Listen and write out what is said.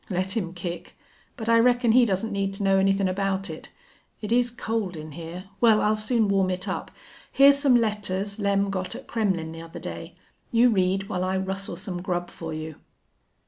"Let him kick. But I reckon he doesn't need to know anythin' about it. It is cold in here. Well, I'll soon warm it up.... Here's some letters Lem got at Kremmlin' the other day. You read while I rustle some grub for you."